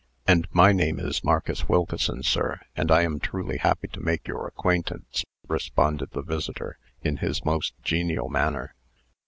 "And my name is Marcus Wilkeson, sir; and I am truly happy to make your acquaintance," responded the visitor, in his most genial manner.